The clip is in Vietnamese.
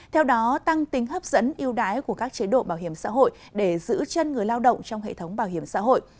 theo đó tăng tính hấp dẫn yêu đái của các chế độ bảo hiểm xã hội để giữ chân người lao động trong hệ thống bảo hiểm xã hội